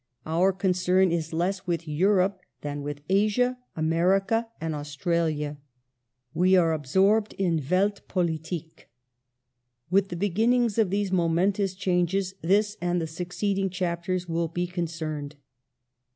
Our concern is less with Europe than with Asia, America, and Australia. We are absorbed in Weltpolitik. With the beginnings of these momentous changes, this and the succeeding chapters will be concerned.